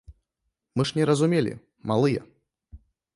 Мы ж не разумелі, малыя.